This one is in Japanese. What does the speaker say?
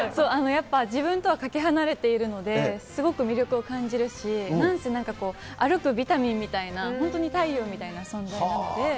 やっぱ、自分とはかけ離れているので、すごく魅力を感じるし、なんせ、なんか歩くビタミンみたいな本当に太陽みたいな存在なので。